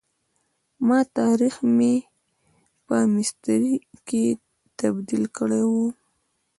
ما تاریخ مې په میسترې کي تبد یل کړی وو.